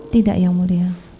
tidak yang mulia